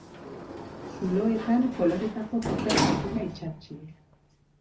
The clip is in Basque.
Zuloetan koloretako paper gardena itsatsi.